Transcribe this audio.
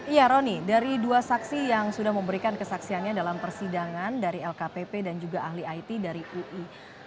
iya roni dari dua saksi yang sudah memberikan kesaksiannya dalam persidangan dari lkpp dan juga ahli it dari ui